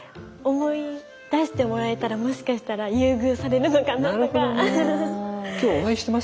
思い出してもらえたらもしかしたら優遇されるのかなとか。